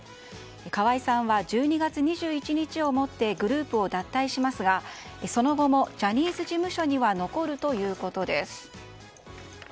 河合さんは１２月２１日をもってグループを脱退しますがその後もジャニーズ事務所には残るということです。